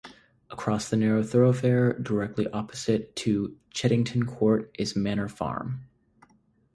Across the narrow thoroughfare, directly opposite to Chedington Court, is Manor Farm.